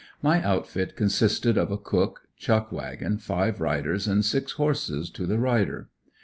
My outfit consisted of a cook, chuck wagon, five riders, and six horses to the rider.